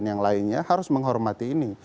yang lainnya harus menghormati ini